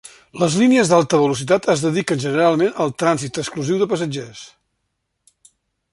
Les línies d'alta velocitat es dediquen generalment al trànsit exclusiu de passatgers.